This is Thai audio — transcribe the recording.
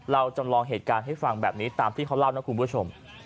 จำลองเหตุการณ์ให้ฟังแบบนี้ตามที่เขาเล่านะคุณผู้ชม